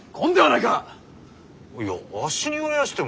いやあっしに言われやしても。